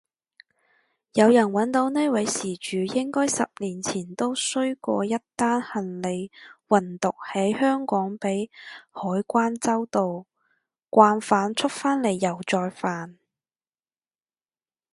有人搵到呢位事主應該十年前都衰過一單行李運毒喺香港被海關周到，慣犯出返嚟又再犯